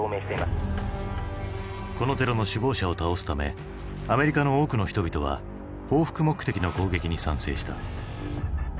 このテロの首謀者を倒すためアメリカの多くの人々は報復目的の攻撃に賛成した。